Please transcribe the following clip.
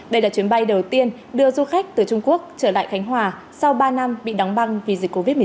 đây là chuyến bay đầu tiên đưa du khách từ trung quốc trở lại khánh hòa sau ba năm bị đóng băng vì dịch covid một mươi chín